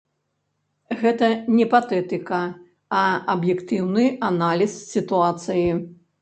Гэта не патэтыка, а аб'ектыўны аналіз сітуацыі.